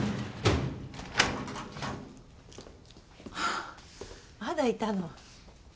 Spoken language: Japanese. ・あっまだいたの。